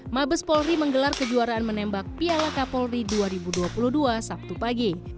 mabes polri menggelar kejuaraan menembak piala kapolri dua ribu dua puluh dua sabtu pagi